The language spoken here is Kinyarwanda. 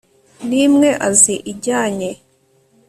n imwe azi ijyanye